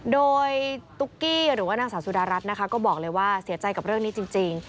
โดยตุ๊กกี้หรือว่านางสาวสุดารัฐนะคะก็บอกเลยว่าเสียใจกับเรื่องนี้จริง